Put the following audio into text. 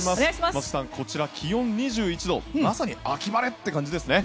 松木さん、こちら気温２１度まさに秋晴れって感じですね。